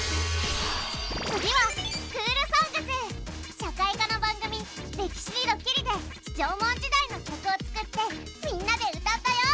次は社会科の番組「歴史にドキリ」で縄文時代の曲を作ってみんなで歌ったよ。